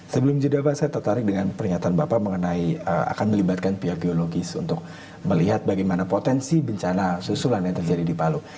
sebelum jeda pak saya tertarik dengan pernyataan bapak mengenai akan melibatkan pihak geologis untuk melihat bagaimana potensi bencana susulan yang terjadi di palu